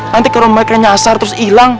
nanti kalau mereka nyasar terus hilang